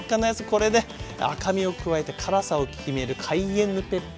これで赤みを加えて辛さを決めるカイエンヌペッパー。